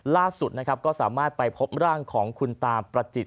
ล่าสุดนะครับก็สามารถไปพบร่างของคุณตาประจิต